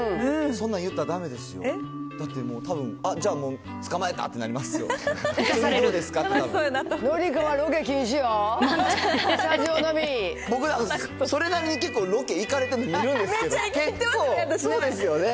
そんなん言ったらだめですよ。